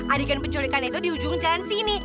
adegan penculikan itu di ujung jalan sini